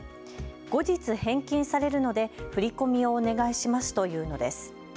後日、返金されるので振り込みをお願いしますと言うのです。